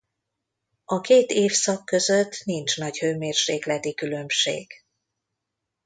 A két évszak között nincs nagy hőmérsékleti különbség.